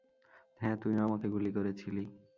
হ্যাঁ, তুইও আমাকে গুলি করেছিলি!